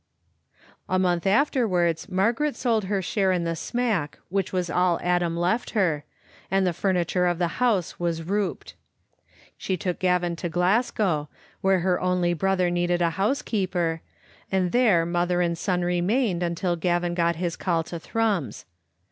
A month afterwards Margaret sold her share in the smack, which was all Adam left her, and the furniture of the house was rouped. She took Gavin to Glasgow, where her only brother needed a housekeeper, and there mother and son remained until Gavin got his call to Thrums.